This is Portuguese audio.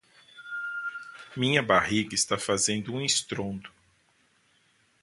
minha barriga está fazendo um estrondo